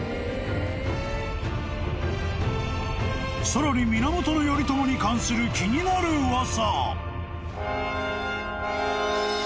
［さらに源頼朝に関する気になる噂］